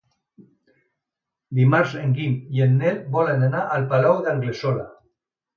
Dimarts en Guim i en Nel volen anar al Palau d'Anglesola.